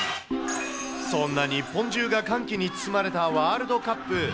そんな日本中が歓喜に包まれたワールドカップ。